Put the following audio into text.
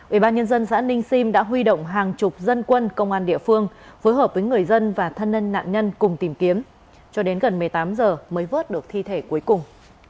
ủy ban nhân dân xã ninh sim đã huy động hàng chục dân quân công an địa phương phối hợp với người dân và thân nhân nạn nhân cùng tìm kiếm cho đến gần một mươi tám h mới vớt được thi thể cuối cùng